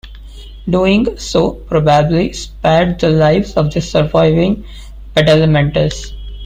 Doing so probably spared the lives of the surviving Badalamentis.